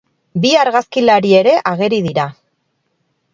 Bi argazkilari ere ageri dira.